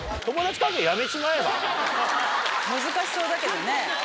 難しそうだけどね。